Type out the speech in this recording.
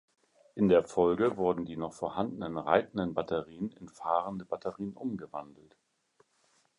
In der Folge wurden die noch vorhandenen reitenden Batterien in fahrende Batterien umgewandelt.